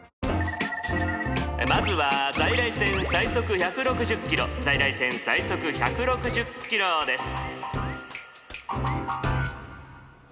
まずは在来線最速１６０キロ在来線最速１６０キロです。